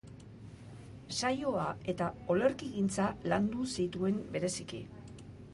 Saioa eta olerkigintza landu zituen bereziki.